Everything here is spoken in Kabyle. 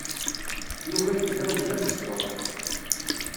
Yuba yettban-d d abesṭuḥ.